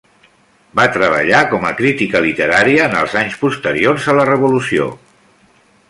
Va treballar com a crítica literària en els anys posteriors a la revolució.